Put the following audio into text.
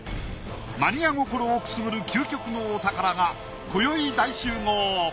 マニア心をくすぐる究極のお宝がこよい大集合！